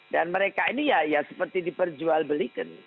dan mereka ini seperti diperjual belikan